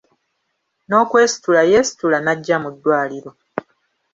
N’okwesitula yeesitula n’ajja mu ddwaliro.